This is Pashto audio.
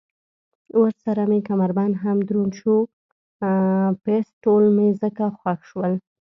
ورسره مې کمربند هم دروند شو، پېسټول مې ځکه خوښ شول.